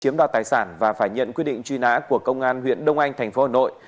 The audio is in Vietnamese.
chiếm đoạt tài sản và phải nhận quyết định truy nã của công an huyện đông anh thành phố hà nội